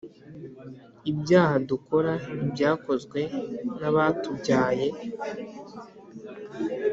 ibyaha dukora ibyakozwe nabatubyaye